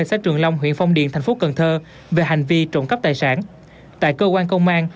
xã trường long huyện phong điền thành phố cần thơ về hành vi trộm cắp tài sản tại cơ quan công an